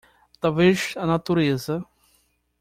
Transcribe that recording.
Talvez a natureza